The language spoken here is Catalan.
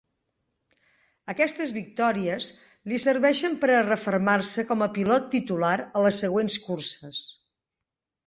Aquestes victòries li serveixen per a refermar-se com a pilot titular a les següents curses.